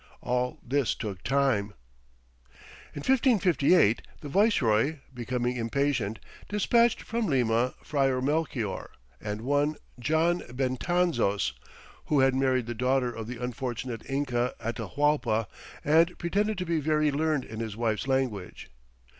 All this took time. In 1558 the viceroy, becoming impatient, dispatched from Lima Friar Melchior and one John Betanzos, who had married the daughter of the unfortunate Inca Atahualpa and pretended to be very learned in his wife's language.